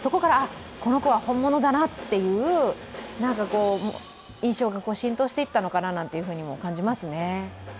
この子は本物だなという印象が浸透していったのかなと感じますね。